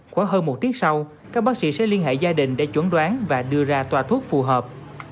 khoảng hơn một tiếng sau các bác sĩ sẽ liên hệ gia đình để chuẩn đoán và đưa ra tòa thuốc phù hợp